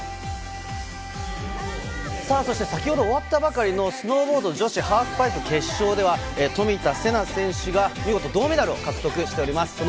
先ほど終わったばかりのスノーボード女子ハーフパイプ決勝では、冨田せな選手が見事、銅メダルを獲得しています。